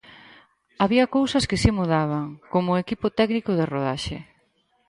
Había cousas que si mudaban, como o equipo técnico de rodaxe.